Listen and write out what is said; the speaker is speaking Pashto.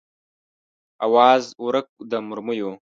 آواز ورک و د مرمیو